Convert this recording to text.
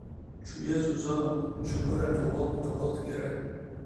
Çûye zozanan, ji xwe re newal bi newal digere.